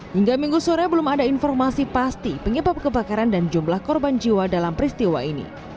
hingga minggu sore belum ada informasi pasti penyebab kebakaran dan jumlah korban jiwa dalam peristiwa ini